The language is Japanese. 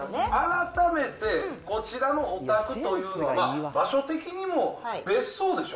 改めて、こちらのお宅というのは、場所的にも別荘でしょ？